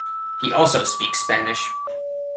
He also speaks Spanish.